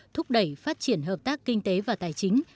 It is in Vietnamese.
thúc đẩy phát triển hợp tác kinh tế và tài chính